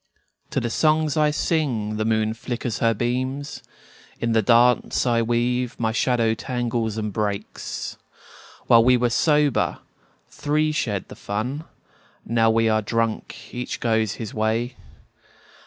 To the songs I sing the moon flickers her beams; In the dance I weave my shadow tangles and breaks. While we were sober, three shared the fun; Now we are drunk, each goes his way.